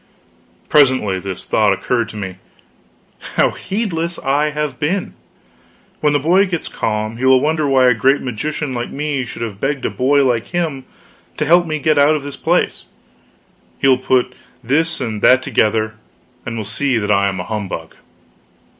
Presently this thought occurred to me: how heedless I have been! When the boy gets calm, he will wonder why a great magician like me should have begged a boy like him to help me get out of this place; he will put this and that together, and will see that I am a humbug.